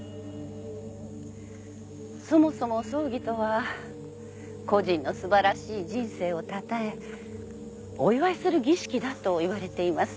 そもそも葬儀とは故人の素晴らしい人生をたたえお祝いする儀式だといわれています。